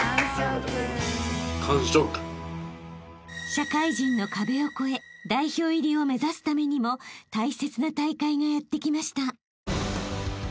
［社会人の壁を越え代表入りを目指すためにも大切な大会がやって来ました］